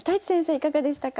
いかがでしたか？